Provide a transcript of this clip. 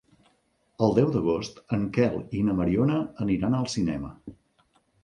El deu d'agost en Quel i na Mariona aniran al cinema.